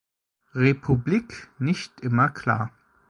Republik nicht immer klar.